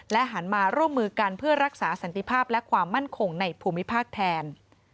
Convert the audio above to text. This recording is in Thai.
หันมาร่วมมือกันเพื่อรักษาสันติภาพและความมั่นคงในภูมิภาคแทน